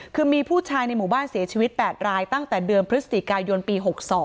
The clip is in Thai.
คือมีผู้ชายในหมู่บ้านเสียชีวิต๘รายตั้งแต่เดือนพฤศจิกายนปี๖๒